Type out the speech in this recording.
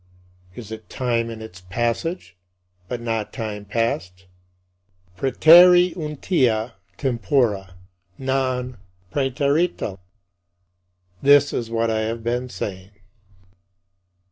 Is it time in its passage, but not time past [praetereuntia tempora, non praeterita]? This is what I have been saying.